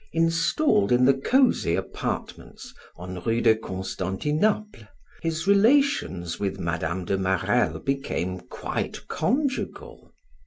Installed in the cozy apartments on Rue de Constantinople, his relations with Mme. de Marelle became quite conjugal.